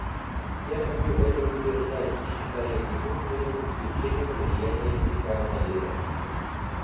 Я могу это утверждать, считая единственным исключением влияние психоанализа.